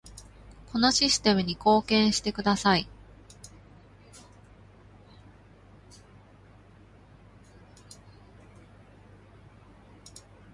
このシステムに貢献してください